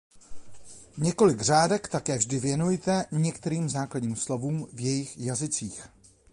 Několik řádek také vždy věnuje některým základním slovům v jejich jazycích.